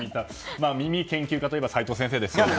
耳研究家といえば齋藤先生ですよ。